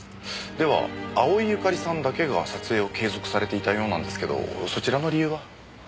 では青井由香利さんだけが撮影を継続されていたようなんですけどそちらの理由は？